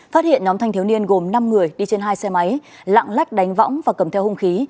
phát hiện nhóm thanh thiếu niên gồm năm người đi trên hai xe máy lạng lách đánh võng và cầm theo hung khí